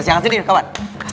kasih yang sini kawan